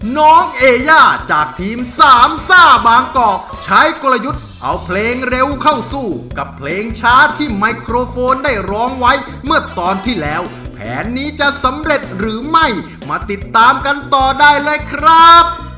น้องเอย่าจากทีมสามซ่าบางกอกใช้กลยุทธ์เอาเพลงเร็วเข้าสู้กับเพลงช้าที่ไมโครโฟนได้ร้องไว้เมื่อตอนที่แล้วแผนนี้จะสำเร็จหรือไม่มาติดตามกันต่อได้เลยครับ